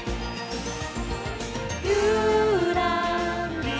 「ぴゅらりら」